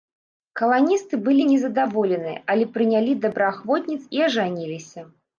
Каланісты былі не задаволеныя, але прынялі добраахвотніц і ажаніліся.